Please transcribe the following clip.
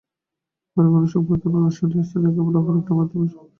পরে গণসংবর্ধনা অনুষ্ঠানটি স্থানীয় কেবল অপারেটরের মাধ্যমে শহরে সম্প্রচার করা হয়।